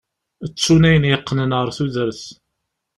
Ttun ayen yeqqnen ɣer tudert.